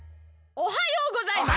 おはようございます。